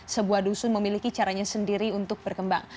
sebuah dusun memiliki caranya sendiri untuk berkembang